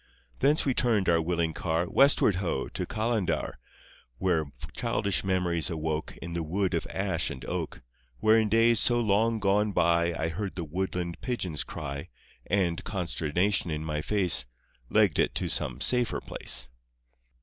Thence we turned our willing car Westward ho! to Callander, Where childish memories awoke In the wood of ash and oak, Where in days so long gone by I heard the woodland pigeons cry, And, consternation in my face, Legged it to some safer place.